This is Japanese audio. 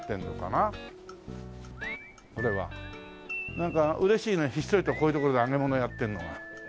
なんか嬉しいねひっそりとこういう所で揚げ物やってるのが。